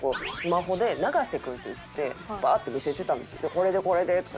これでこれでとか。